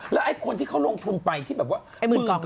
แล้วไอ้คนที่เขาลงทุนไปที่แบบว่า